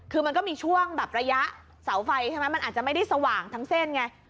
คือมันก็มีช่วงแบบระยะเสาไฟใช่ไหมมันอาจจะไม่ได้สว่างทั้งเส้นไง